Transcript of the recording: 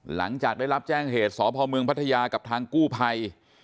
หลังจากได้รับแจ้งเหตุสพเมืองพัทยากับทางกู้ภัย